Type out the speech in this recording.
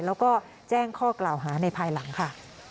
แล้วก็แจ้งข้อกล่าวหาในภายหลังค่ะ